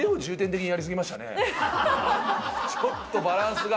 ちょっとバランスが。